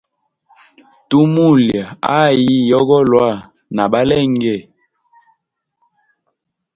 Tumulya ayi yogolwa na balenge?